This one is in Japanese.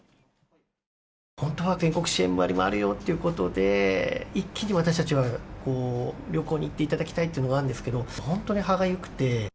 本当は全国支援割があるよということで、一気に私たちは旅行に行っていただきたいっていうのがあるんですけど、本当に歯がゆくて。